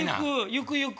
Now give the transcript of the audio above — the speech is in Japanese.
ゆくゆく。